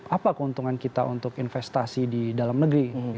apa keuntungan kita untuk investasi di dalam negeri